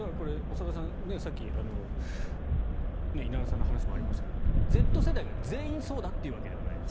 長田さん、さっき稲田さんの話にもありましたがＺ世代が全員そうだというわけではない。